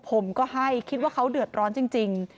ผมก็ให้คิดว่าเขาเดือดร้อนจริง